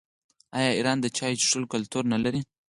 آیا ایران د چای څښلو کلتور نلري؟